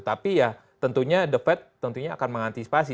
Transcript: tapi ya tentunya the fed tentunya akan mengantisipasi